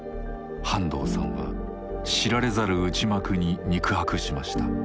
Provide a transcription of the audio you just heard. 半藤さんは知られざる内幕に肉薄しました。